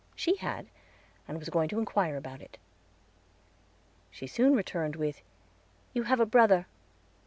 She had, and was going to inquire about it. She soon returned with, "You have a brother.